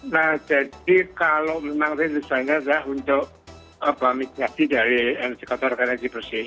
nah jadi kalau memang misalnya untuk pemikir dari energi kotor energi bersih